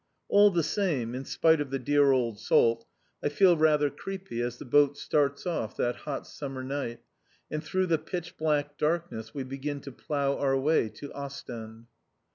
All the same, in spite of the dear old salt, I feel rather creepy as the boat starts off that hot summer night, and through the pitch black darkness we begin to plough our way to Ostend.